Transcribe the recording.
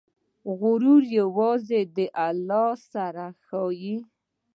غرور یوازې د الله تعالی سره ښایي.